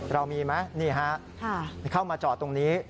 เรามีไหมนี่ฮะเข้ามาจอดตรงนี้